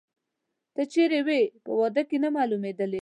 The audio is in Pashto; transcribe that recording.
ته چیري وې، په واده کې نه مالومېدلې؟